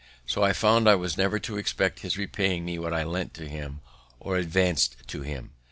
So I found I was never to expect his repaying me what I lent to him or advanc'd for him.